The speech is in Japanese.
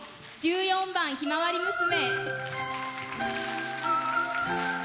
１４番「ひまわり娘」。